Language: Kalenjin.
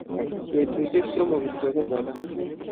betushek somoku kityok kepeee kaa